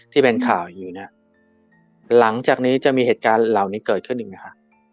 ที่เป็นข่าวอยู่เนี่ยหลังจากนี้จะมีเหตุการณ์เหล่านี้เกิดขึ้นอีกไหมคะ